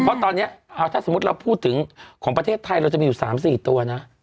เพราะตอนนี้ถ้าสมมุติเราพูดถึงของประเทศไทยเราจะมีอยู่๓๔ตัวนะ